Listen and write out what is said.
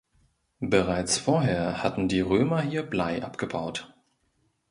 Bereits vorher hatten die Römer hier Blei abgebaut.